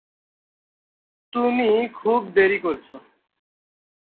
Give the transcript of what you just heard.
তুমি খুব দেরি করছ।